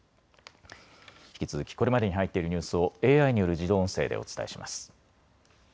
引き続きこれまでに入っているニュースをＡＩによる自動音声でお伝えします。